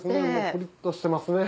プリっとしてますね。